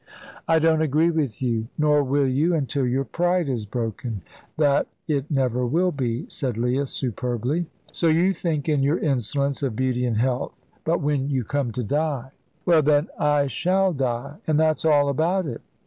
"I don't agree with you." "Nor will you, until your pride is broken." "That it never will be," said Leah, superbly. "So you think in your insolence of beauty and health. But when you come to die?" "Well, then, I shall die, and that's all about it."